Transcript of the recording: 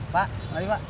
pak mari pak